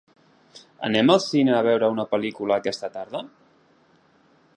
Anem al cine a veure una pel·lícula aquesta tarda?